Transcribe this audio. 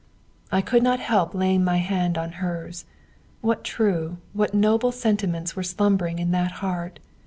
I could not help laying my hand on hers. What true, what noble sentiments were slumbering in that heart!